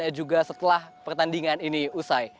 dan juga setelah pertandingan ini usai